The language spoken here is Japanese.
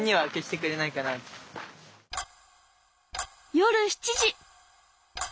夜７時！